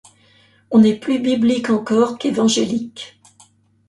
On est plus biblique encore qu’évangélique.